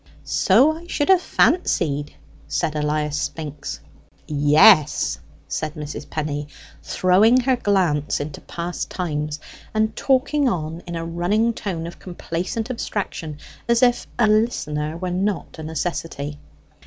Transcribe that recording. "So I should have fancied," said Elias Spinks. "Yes," said Mrs. Penny, throwing her glance into past times, and talking on in a running tone of complacent abstraction, as if a listener were not a necessity.